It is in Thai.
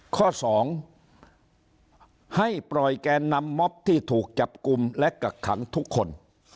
ข้อ๒ให้ปล่อยแกนนำม็อบที่ถูกจับกลุ่มและกักขังทุกคน